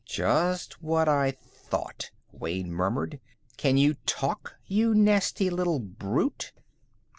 "Just what I thought," Wayne murmured. "Can you talk, you nasty little brute?"